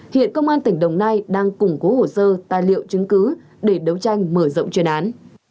hiện công an tỉnh đồng nai đang củng cố hồ sơ tài liệu chứng cứ để đấu tranh mở rộng chuyên án